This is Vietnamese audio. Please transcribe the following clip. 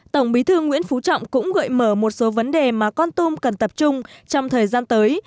tổng bí thư nguyễn phú trọng cũng gợi mở một số vấn đề mà con tum cần tập trung trong thời gian tới